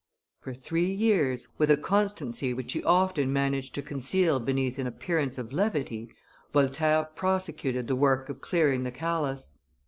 For three years, with a constancy which he often managed to conceal beneath an appearance of levity, Voltaire prosecuted the work of clearing the Calas.